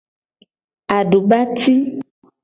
Adubati.